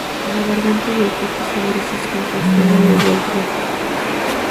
La garganta y el pecho son grises contrastando con el vientre rufo.